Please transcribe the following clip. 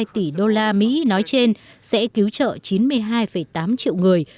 hai mươi hai hai tỷ đô la mỹ nói trên sẽ cứu trợ chín mươi hai tám triệu người